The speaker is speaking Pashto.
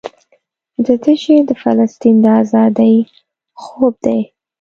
دده شعر د فلسطین د ازادۍ خوب دی.